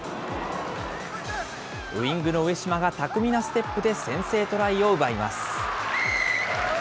ウイングの上嶋が巧みなステップで先制トライを奪います。